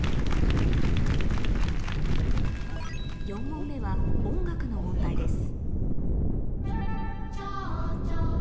４問目はの問題です